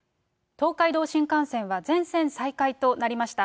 東海道新幹線は全線再開となりました。